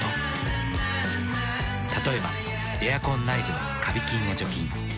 例えばエアコン内部のカビ菌を除菌。